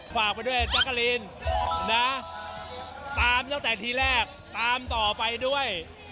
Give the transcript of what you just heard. ฝากไปด้วยแจ๊กกะลีนนะตามตั้งแต่ทีแรกตามต่อไปด้วย